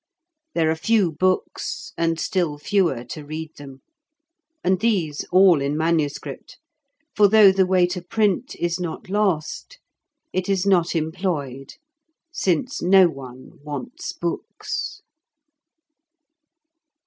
There are few books, and still fewer to read them; and these all in manuscript, for though the way to print is not lost, it is not employed since no one wants books.